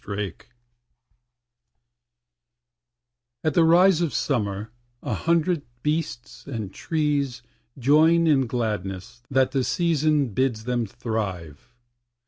815_] At the rise of summer a hundred beasts and trees Join in gladness that the Season bids them thrive.